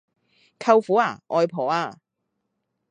舅父呀！外婆呀！